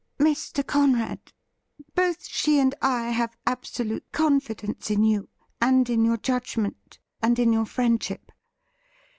' Mr. Conrad, both she and I have absolute confidence in you, and in your judgment, and in your friendship.